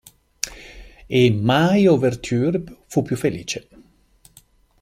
E mai "ouverture" fu più felice.